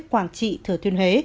quảng trị thừa thiên huế